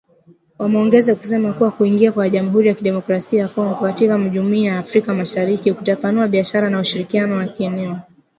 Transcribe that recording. Wameongeza kusema kuwa kuingia kwa Jamhuri ya kidemokrasia ya Kongo katika Jumuiya ya Afrika Mashariki kutapanua biashara na ushirikiano wa kieneo.